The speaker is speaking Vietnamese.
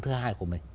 thứ hai của mình